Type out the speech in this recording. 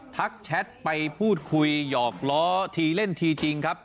แชทไปพูดคุยหยอกล้อทีเล่นทีจริงครับ